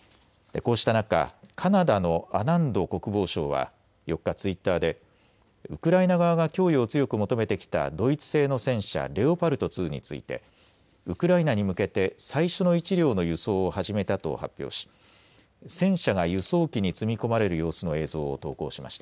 こうした中、カナダのアナンド国防相は４日、ツイッターでウクライナ側が供与を強く求めてきたドイツ製の戦車レオパルト２についてウクライナに向けて最初の１両の輸送を始めたと発表し、戦車が輸送機に積み込まれる様子の映像を投稿しました。